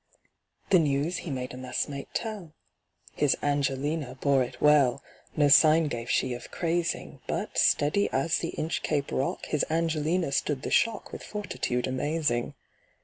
The news he made a messmate tell. His ANGELINA bore it well, No sign gave she of crazing; But, steady as the Inchcape Rock, His ANGELINA stood the shock With fortitude amazing.